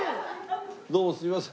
どうもすいません